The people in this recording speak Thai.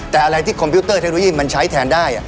แต่อะไรที่คอมพิวเตอร์เทคโนโลยีมันใช้แทนได้